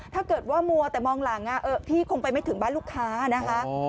ถ้าเกิดว่ามัวแต่มองหลังพี่คงไปไม่ถึงบ้านลูกค้านะคะ